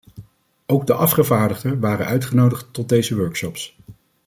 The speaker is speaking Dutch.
Ook de afgevaardigden waren uitgenodigd tot deze workshops.